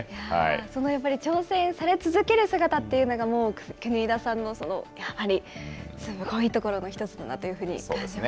そのやっぱり挑戦され続ける姿というのが、もう、国枝さんのやはりすごいところの１つだなというふうに感じます。